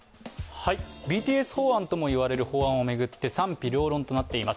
ＢＴＳ法案ともいわれる法案を巡って賛否両論となっています。